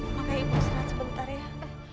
maka ibu serah sebentar ya